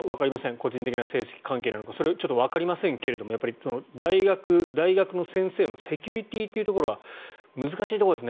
個人的な成績関係なのかそれはわかりませんが大学、大学の先生のセキュリティーというところは難しいところですね。